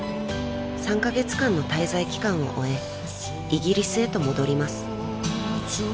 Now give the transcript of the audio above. ［３カ月間の滞在期間を終えイギリスへと戻ります］